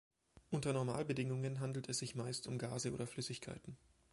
Unter Normalbedingungen handelt es sich meist um Gase oder Flüssigkeiten.